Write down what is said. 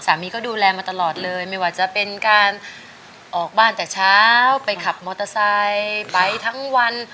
ดูแลก็ดูแลมาตลอดเลยไม่ว่าจะเป็นการออกบ้านแต่เช้าไปขับมอเตอร์ไซค์ไปทั้งวัน